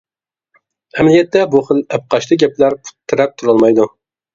ئەمەلىيەتتە بۇ خىل ئەپقاچتى گەپلەر پۇت تىرەپ تۇرالمايدۇ.